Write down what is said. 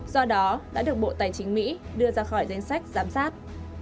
do đó đã được bộ tài chính mỹ đưa ra khỏi danh sách giám sát